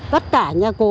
tất cả nhà cô